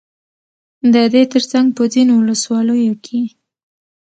ددې ترڅنگ په ځينو ولسواليو كې